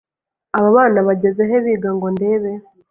Aba bana bageze he biga ngo ndebe